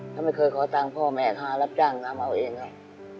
เขาไม่เคยขอตังค์พ่อแม่ข้ารับจ้างน้ำเอาเองอ่ะ